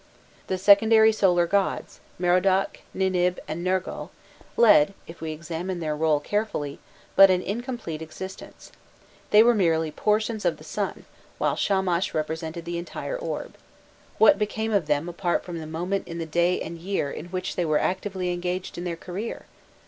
The secondary solar gods, Merodach, Ninib, and Nergal, led, if we examine their role carefully, but an incomplete existence: they were merely portions of the sun, while Shamash represented the entire orb. What became of them apart from the moment in the day and year in which they were actively engaged in their career?